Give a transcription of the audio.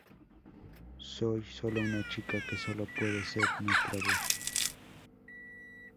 Soy sólo una chica, que sólo puede ser nuestra voz.